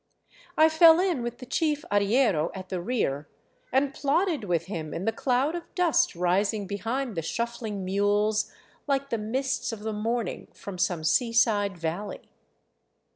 I fell in with the chief arriero at the rear, and plodded with him in the cloud of dust rising behind the shuffling mules like the mists of the morning from some seaside valley.